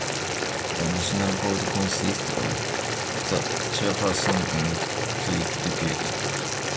The National Board consists of the chairperson and two deputies.